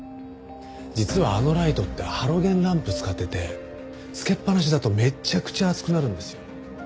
実はあのライトってハロゲンランプ使っててつけっぱなしだとめちゃくちゃ熱くなるんですよ。